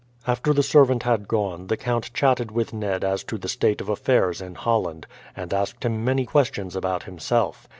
After the servant had gone the count chatted with Ned as to the state of affairs in Holland, and asked him many questions about himself.